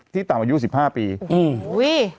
ที่ต่างอายุ๑๕ปีโอ้โฮ